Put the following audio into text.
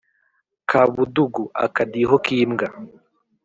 Kabudugu.-Akadiho k'imbwa.